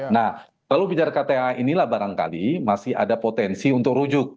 nah kalau bicara kta inilah barangkali masih ada potensi untuk rujuk